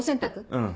うん。